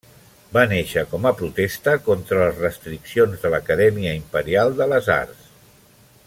Va néixer com a protesta contra les restriccions de l'Acadèmia Imperial de les Arts.